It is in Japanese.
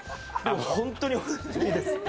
本当においしいです。